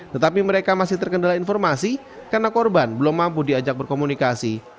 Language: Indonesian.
tetapi mereka masih terkendala informasi karena korban belum mampu diajak berkomunikasi